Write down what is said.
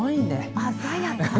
鮮やか。